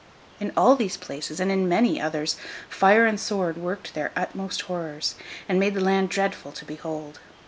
In all these places, and in many others, fire and sword worked their utmost horrors, and made the land dreadful to behold.